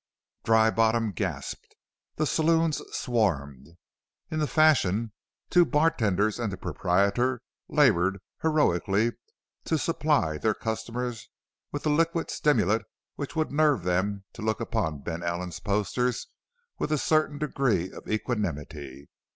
Dry Bottom gasped. The saloons swarmed. In the Fashion two bartenders and the proprietor labored heroically to supply their customers with the liquid stimulant which would nerve them to look upon Ben Allen's posters with a certain degree of equanimity.